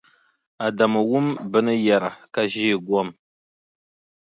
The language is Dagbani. Adamu wum bɛ ni yɛra ka ʒeei gom.